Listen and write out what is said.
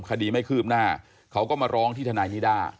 คดีไม่คืบหน้าเขาก็มาร้องที่ทนายนิด้า